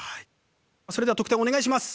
それでは得点お願いします。